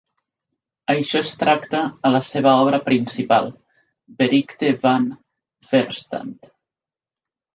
Això es tracta a la seva obra principal, Berigte van weerstand.